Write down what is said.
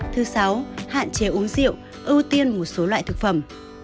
thứ sáu hạn chế uống rượu ưu tiên một số loại thực phẩm